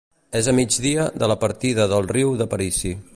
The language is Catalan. És a migdia de la partida del Riu d'Aparici.